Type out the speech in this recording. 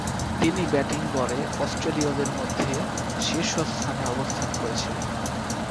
তিনি ব্যাটিং গড়ে অস্ট্রেলীয়দের মধ্যে শীর্ষস্থানে অবস্থান করেছিলেন।